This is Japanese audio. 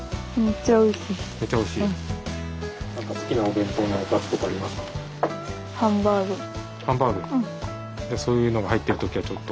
じゃあそういうのが入っている時はちょっと。